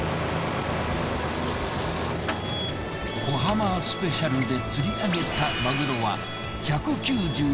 小浜スペシャルで釣り上げたマグロは１９６ｋｇ。